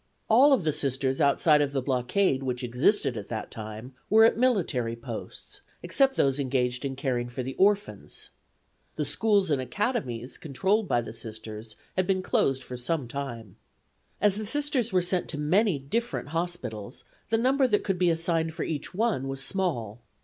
All of the Sisters outside of the blockade which existed at that time were at military posts, except those engaged in caring for the orphans. The schools and academies controlled by the Sisters had been closed for some time. As the Sisters were sent to many different hospitals the number that could be assigned for each one was small.